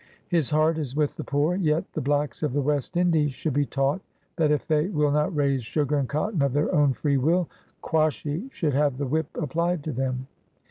His heart is with the poor ; yet the blacks of the West Indies should be taught, that if they will not raise sugar and cotton of their own free will, * Quashy should have the whip applied to him.'